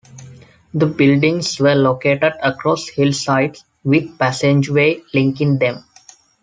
The buildings were located across hillsides, with passageways linking them.